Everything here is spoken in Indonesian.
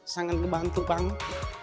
sangat ngebantu banget